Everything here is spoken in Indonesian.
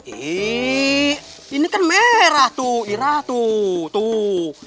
ih ini kan merah tuh ira tuh